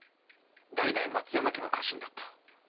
代々松山家の家臣だった。